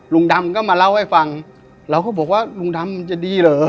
ลุงดำก็มาเล่าให้ฟังเราก็บอกว่าลุงดำจะดีเหรอ